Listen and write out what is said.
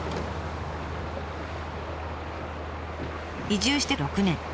移住して６年。